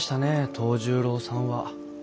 桃十郎さんは。